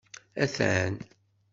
Atan!